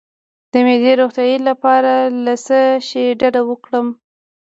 د معدې د روغتیا لپاره له څه شي ډډه وکړم؟